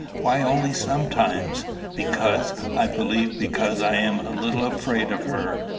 "Why only sometimes?" "Because I believe because I am a little afraid of her.